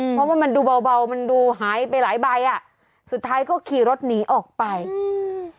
เพราะว่ามันดูเบาเบามันดูหายไปหลายใบอ่ะสุดท้ายก็ขี่รถหนีออกไปอืม